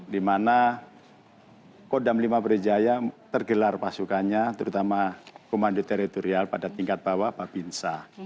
di mana kodam lima brawijaya tergelar pasukannya terutama komando territorial pada tingkat bawah pak pinsa